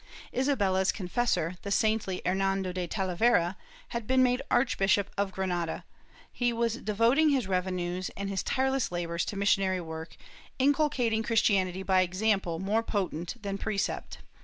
Isabella's confessor, the saintly Hernando de Talavera, had been made Archbishop of Granada; he was devoting his revenues and his tireless labors to missionary work, inculcating Christianity by example more potent than precept.